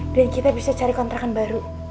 dan kita bisa cari kontrakan baru